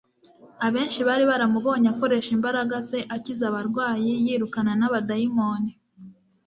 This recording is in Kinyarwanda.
Abenshi bari baramubonye akoresha imbaraga ze akiza abarwayi yirukana n'abadayimoni.